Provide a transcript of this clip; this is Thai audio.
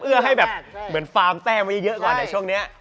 เอื้อให้แบบแบบฟาร์มแต้มไว้เยอะก่อนในช่วงนี้